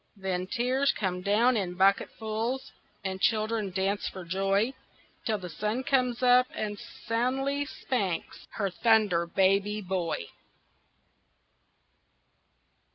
Then tears come down in bucketfuls, And children dance for joy, Till the sun comes out and soundly spanks Her Thunder Baby Boy.